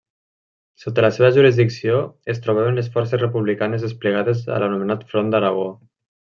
Sota la seva jurisdicció es trobaven les forces republicanes desplegades a l'anomenat Front d'Aragó.